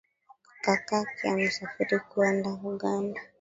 Kakake amesafiri kwenda uganda